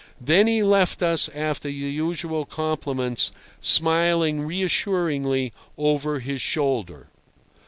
Then he left us after the usual compliments, smirking reassurringly over his shoulder.